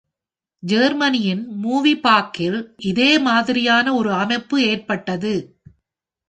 ஜெர்மனியின் மூவி பார்க்கில் இதே மாதிரியான ஒரு அமைப்பு ஏற்பட்டது.